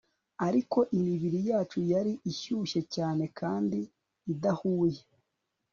ariko imibiri yacu yari ishyushye cyane kandi idahuye